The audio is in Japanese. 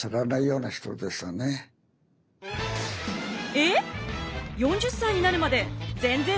えっ！